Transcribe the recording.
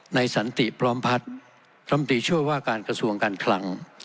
ในสันติปลอมพัฒน์รัฐมนตรีช่วยว่าการกระทรวงการคลัง